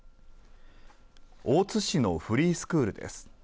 大津市のフリースクールです。